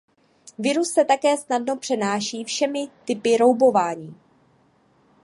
Virus se také snadno přenáší všemi typy roubování.